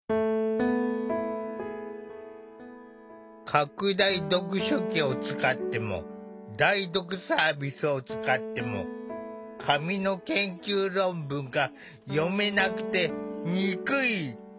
拡大読書器を使っても代読サービスを使っても紙の研究論文が読めなくて憎い！